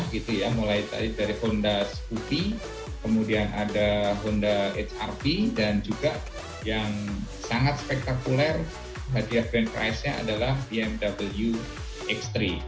begitu ya mulai dari honda spooky kemudian ada honda hr v dan juga yang sangat spektakuler hadiah grand prize nya adalah bmw x tiga